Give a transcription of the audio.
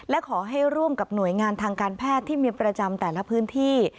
และขอให้ร่วมกับหน่วยงานทางการแพทย์ที่มีประจำแต่ละพื้นที่